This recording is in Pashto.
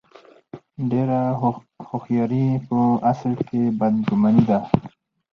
ډېره هوښیاري په اصل کې بد ګماني ده.